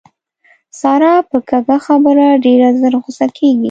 ساره په کږه خبره ډېره زر غوسه کېږي.